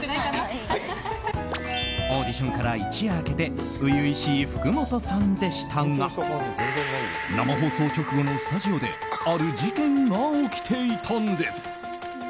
オーディションから一夜明けて初々しい福本さんでしたが生放送直後のスタジオである事件が起きていたんです。